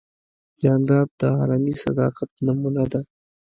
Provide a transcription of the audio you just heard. جانداد د علني صداقت نمونه ده.